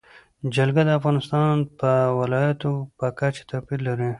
جلګه د افغانستان د ولایاتو په کچه توپیر لري.